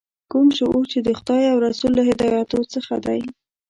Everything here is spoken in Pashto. کوم شعور چې د خدای او رسول له هدایاتو څخه دی.